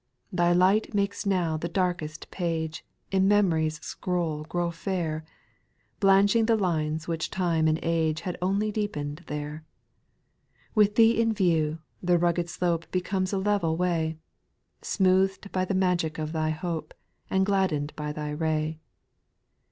4. Thy light makes now the darkest page In memory's scroll grow fair ; Blanching the lines which time and age Had only deepened there. 6. With thee in view, the rugged slope Becomes a level way, Smoothed by the magic of thy hope, And gladdened by thy ray.